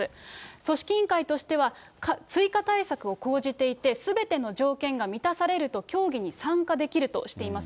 組織委員会としては、追加対策を講じていて、すべての条件が満たされると競技に参加できるとしています。